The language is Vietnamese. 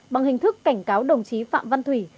bằng hình thức cảnh cáo đồng chí phạm văn thủy